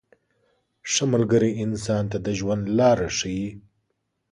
• ښه ملګری انسان ته د ژوند لاره ښیي.